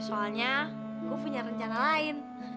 soalnya gue punya rencana lain